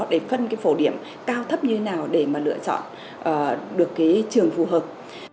để phân cái phổ điểm cao thấp như thế nào để mà lựa chọn được cái trường phù hợp